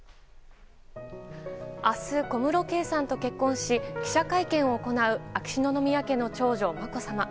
明日、小室圭さんと結婚し記者会見を行う秋篠宮家の長女・まこさま。